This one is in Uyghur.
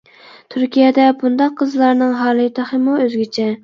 تۈركىيەدە بۇنداق قىزلارنىڭ ھالى تېخىمۇ ئۆزگىچە.